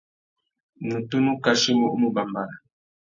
Nnú tunu kachimú u mù bàmbàra.